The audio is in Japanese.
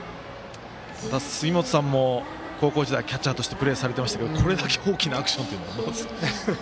杉本さんも高校時代キャッチャーとしてプレーされていましたけどこれだけ大きなアクションというのは？